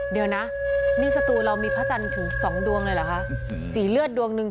เดี๋ยวนะนี่สตูเรามีพระจันทร์ถึงสองดวงเลยเหรอคะสีเลือดดวงหนึ่ง